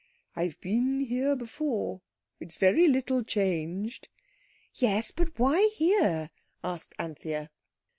"I've been here before—it's very little changed." "Yes, but why here?" asked Anthea.